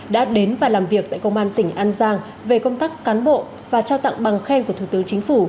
đã đến và làm việc tại công an tỉnh an giang về công tác cán bộ và trao tặng bằng khen của thủ tướng chính phủ